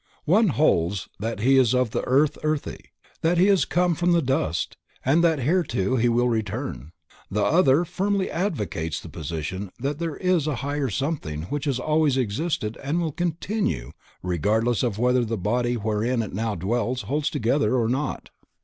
One holds that he is of the earth earthy, that he has come from the dust and that thereto he will return, the other firmly advocates the position that there is a higher something which has always existed and will continue regardless of whether the body wherein it now dwells holds together or not.